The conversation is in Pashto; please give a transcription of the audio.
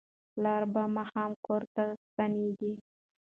پلار به ماښام کور ته ستنیږي.